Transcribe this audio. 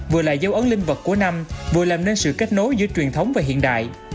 vừa là dấu ấn linh vật của năm vừa làm nên sự kết nối giữa truyền thống và hiện đại